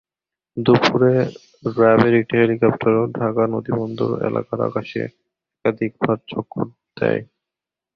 দুপুরে র্যাবের একটি হেলিকপ্টারও ঢাকা নদীবন্দর এলাকার আকাশে একাধিকবার চক্কর দেয়।